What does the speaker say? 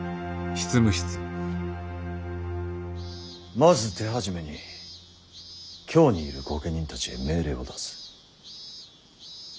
まず手始めに京にいる御家人たちへ命令を出す。